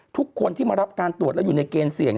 ทุกคนที่มารับการตรวจแล้วอยู่ในเกณฑ์เสี่ยง